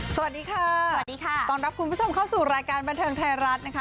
สวัสดีค่ะสวัสดีค่ะต้อนรับคุณผู้ชมเข้าสู่รายการบันเทิงไทยรัฐนะคะ